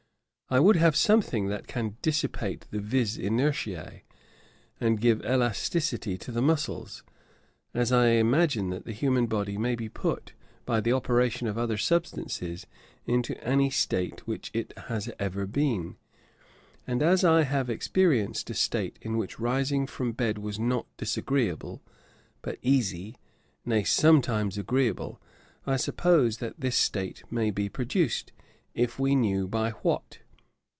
I would have something that can dissipate the vis inertiæ, and give elasticity to the muscles. As I imagine that the human body may be put, by the operation of other substances, into any state in which it has ever been; and as I have experienced a state in which rising from bed was not disagreeable, but easy, nay, sometimes agreeable; I suppose that this state may be produced, if we knew by what.